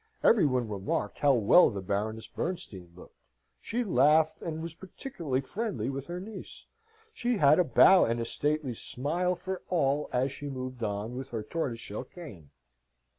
Every one remarked how well the Baroness Bernstein looked; she laughed, and was particularly friendly with her niece; she had a bow and a stately smile for all, as she moved on, with her tortoiseshell cane.